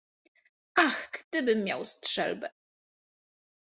- Ach, gdybym miał strzelbę!